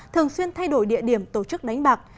thường xuyên thay đổi địa điểm tổ chức đánh bạc